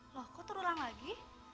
loh kok terulang lagi